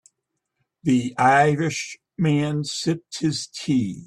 The Irish man sipped his tea.